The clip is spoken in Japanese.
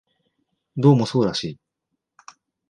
どうもそうらしい